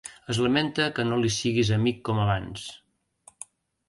Es lamenta que no li siguis amic com abans.